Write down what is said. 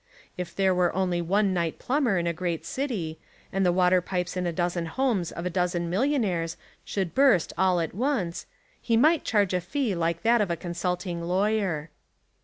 If there were only one night plumber in a great city, and the water pipes in a dozen homes of a dozen millionaires should burst all 156 The Woman Question at once, he might charge a fee like that of a consulting lawyer.